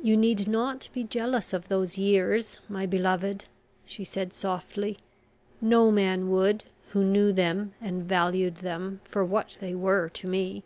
"You need not be jealous of those years, my beloved," she said softly. "No man would, who knew them and valued them for what they were to me."